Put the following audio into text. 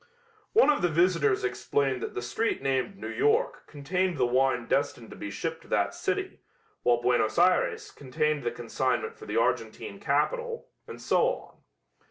One of the visitors explained that the street named New York contained the wine destined to be shipped to that city, while Buenos Ayres contained the consignment for the Argentine capital, and so on.